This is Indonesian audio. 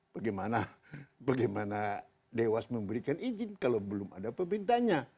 bagaimana dewas memberikan izin kalau belum ada pemerintahnya